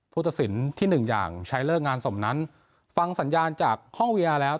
ตัดสินที่หนึ่งอย่างใช้เลิกงานสมนั้นฟังสัญญาณจากห้องเวียแล้ว